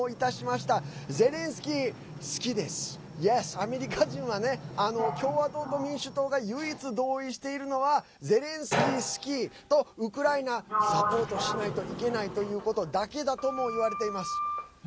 アメリカ人はね共和党と民主党が唯一同意しているのはゼレンスキー、好きとウクライナ、サポートしないといけないということだけだともいわれています。